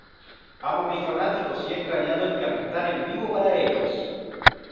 Amo a mis fanáticos y he extrañado el cantar en vivo para ellos.